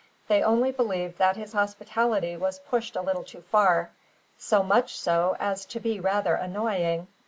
They only believed that his hospitality was pushed a little too far, so much so as to be rather annoying.